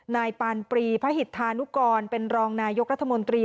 นายปานปรีพระหิตธานุกรเป็นรองนายกรัฐมนตรี